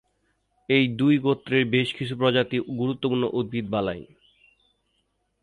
এই দুই গোত্রের বেশ কিছু প্রজাতি গুরুত্বপূর্ণ উদ্ভিদ বালাই।